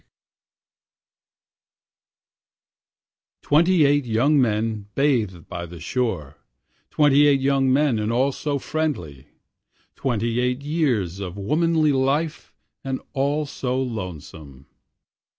11 Twenty eight young men bathe by the shore, Twenty eight young men and all so friendly; Twenty eight years of womanly life and all so lonesome.